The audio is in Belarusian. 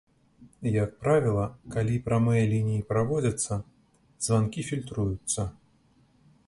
Як правіла, калі прамыя лініі праводзяцца, званкі фільтруюцца.